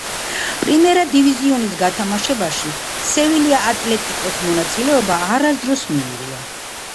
პრიმერა დივიზიონის გათამაშებაში „სევილია ატლეტიკოს“ მონაწილეობა არასდროს მიუღია.